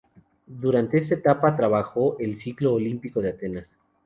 Durante esta etapa trabajo el ciclo olímpico de "Atenas".